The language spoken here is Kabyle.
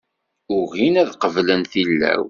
Ugin ad qeblen tillawt.